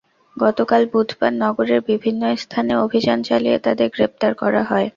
গতকাল বুধবার নগরের বিভিন্ন স্থানে অভিযান চালিয়ে তাদের গ্রেপ্তার করা হয়।